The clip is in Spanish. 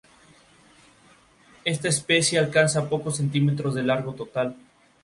Esta especie alcanza pocos centímetros de largo total.